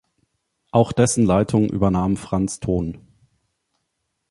Auch dessen Leitung übernahm Franz Thon.